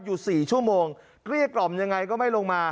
อยู่๔ชั่วโมงเกลี้ยกล่อมยังไงก็ไม่ลงมา